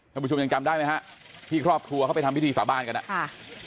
ผู้ชมยังจำได้ไหมฮะที่ครอบครัวเขาไปทำพิธีสาบานกันอ่ะค่ะ